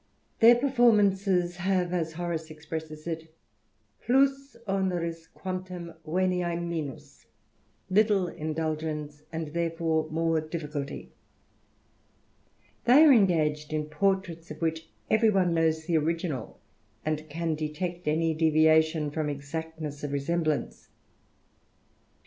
Their pe^ formances have, as Horace expresses it, plus onerii guantunt venia minus, littie indulgence, and therefore more difficult.. They are engaged in portraits of which every one knows the original, and can detect any deviation from exactness of resemblance.